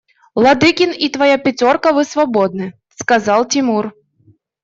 Ладыгин и твоя пятерка, вы свободны, – сказал Тимур.